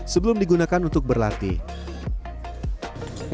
sebelum digunakan untuk berlatih